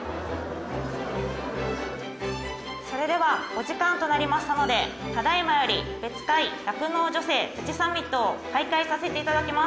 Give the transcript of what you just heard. それではお時間となりましたのでただいまよりべつかい酪農女性プチサミットを開会させていただきます。